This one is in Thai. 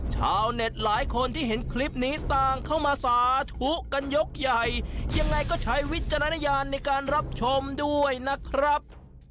ชาวเน็ตหลายคนที่เห็นคลิปนี้ต่างเข้ามาสาธุกันยกใหญ่ยังไงก็ใช้วิจารณญาณในการรับชมด้วยนะครับ